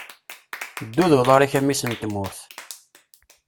Ddu d uḍar-ik a mmi-s n tmurt!